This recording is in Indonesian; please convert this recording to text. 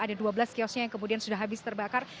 ada dua belas kiosnya yang kemudian sudah habis terbakar